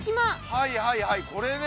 はいはいはいこれね。